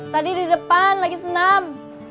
tadi di depan lagi senam